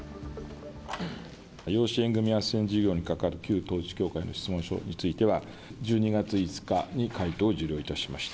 養子縁組あっせん事業にかかる旧統一教会の質問書については、１２月５日に回答を受領いたしました。